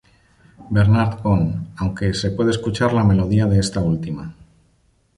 Bernard Cohn", aunque se puede escuchar la melodía de esta última.